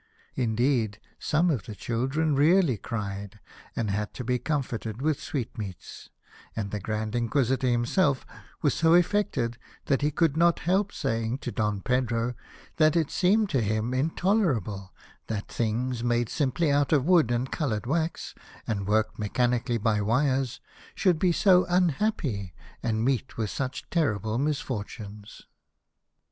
Indeed some of the children really cried, and had to be comforted with sweetmeats, and the Grand Inquisitor himself was so affected that he could not help saying to Don Pedro that it seemed to him intoler able that things made simply out of wood and coloured wax, and worked mechanically by wires, should be so unhappy and meet with such terrible misfortunes.